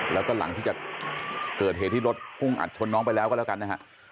แล้วก็หลังที่จะเกิดเหตุที่รถพุ่งอัดชนน้องไปแล้วก็แล้วกันนะฮะ